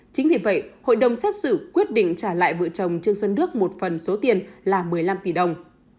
chính vì vậy hội đồng xét xử quyết định trả lại vợ chồng trương xuân đức một phần số tiền là một mươi năm tỷ đồng